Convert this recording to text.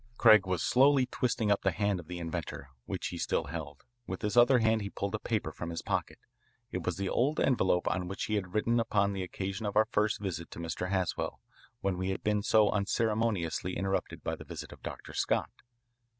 Craig was slowly twisting up the hand of the inventor, which he still held. With his other hand he pulled a paper from his pocket. It was the old envelope on which he had written upon the occasion of our first visit to Mr. Haswell when we had been so unceremoniously interrupted by the visit of Dr. Scott.